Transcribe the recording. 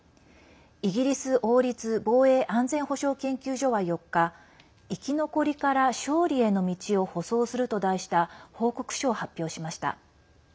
イギリス王立防衛安全保障研究所は４日「生き残りから勝利への道を舗装する」と題した報告書を発表しました。